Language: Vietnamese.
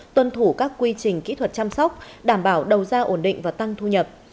tuân thủ các quy trình kỹ thuật chăm sóc đảm bảo đầu ra ổn định và tăng thu nhập